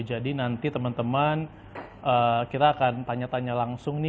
jadi nanti teman teman kita akan tanya tanya langsung nih